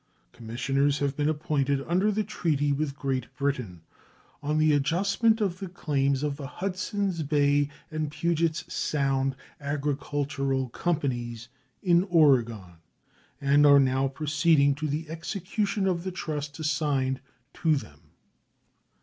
Commissioners have been appointed under the treaty with Great Britain on the adjustment of the claims of the Hudsons Bay and Pugets Sound Agricultural Companies, in Oregon, and are now proceeding to the execution of the trust assigned to them.